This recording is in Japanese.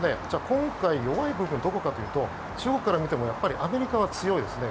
今回、弱い部分はどこかというと中国から見てもやっぱりアメリカは強いですね。